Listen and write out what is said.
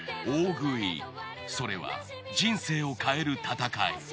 大食いそれは人生を変える戦い。